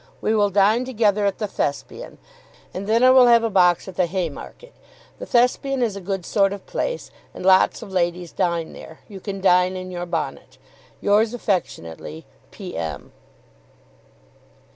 We will dine together at the Thespian; and then I will have a box at the Haymarket. The Thespian is a good sort of place, and lots of ladies dine there. You can dine in your bonnet. Yours affectionately, P. M.